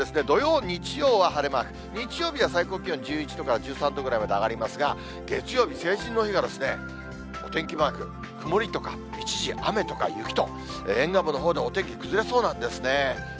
土曜、日曜は晴れマーク、日曜日は最高気温１１度から１３度ぐらいまで上がりますが、月曜日、成人の日がお天気マーク、曇りとか、一時雨とか雪と、沿岸部のほうでお天気崩れそうなんですね。